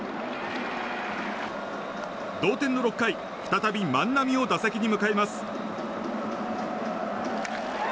同点の６回、再び万波を打席に迎えます。